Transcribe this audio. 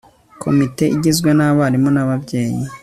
komite igizwe n'abarimu n'ababyeyi